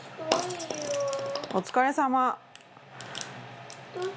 お疲れさま。